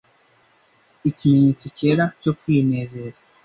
ikimenyetso cyera cyo kwinezeza